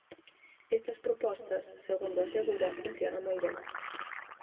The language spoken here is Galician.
Estas propostas, segundo asegura, funciona moi ben.